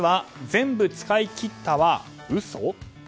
全部使い切ったは嘘？